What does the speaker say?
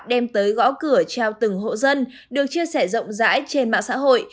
đem tới gõ cửa trao từng hộ dân được chia sẻ rộng rãi trên mạng xã hội